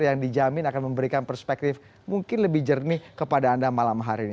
yang dijamin akan memberikan perspektif mungkin lebih jernih kepada anda malam hari ini